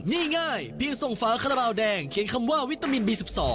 นี่ง่ายเพียงส่งฝาคาราบาลแดงเขียนคำว่าวิตามินบี๑๒